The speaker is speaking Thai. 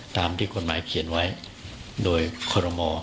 ตามที่กฎหมายเขียนไว้โดยคอรมอ